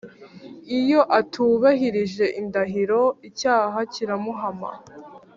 Iyo atubahirije indahiro, icyaha kiramuhama,